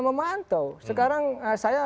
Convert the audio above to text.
memantau sekarang saya